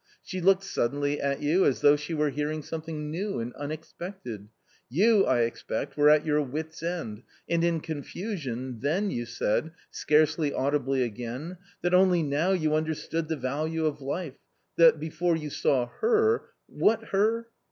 She looked suddenly at you, as though she were hearing something new and unexpected ; you, I expect, were at your wits' end, and in confusion, then you said, scarcely audibly again, that only now you understood the value of life, that before you saw her — what her?